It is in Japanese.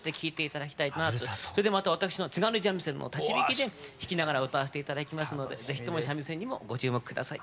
それでまた私の津軽三味線の立ち弾きで弾きながら歌わせて頂きますのでぜひとも三味線にもご注目下さい。